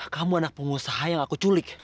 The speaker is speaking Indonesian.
kamu anak pengusaha yang aku culik